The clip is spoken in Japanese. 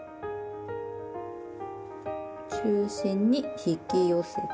中心に引き寄せて。